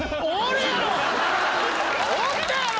おったやろ！